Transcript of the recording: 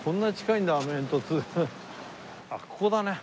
あっここだね。